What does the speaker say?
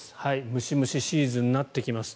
ムシムシシーズンになってきます。